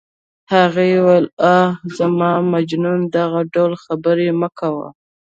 هغې وویل: اوه، زما مجنونه دغه ډول خبرې مه کوه.